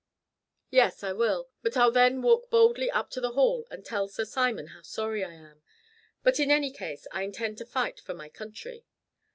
"Yes, I will. But I'll then walk boldly up to the Hall and tell Sir Simon how sorry I am. But in any case I intend to fight for my country.